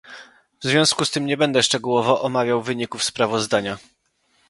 W związku z tym nie będę szczegółowo omawiał wyników sprawozdania